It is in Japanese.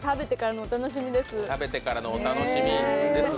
食べてからのお楽しみです。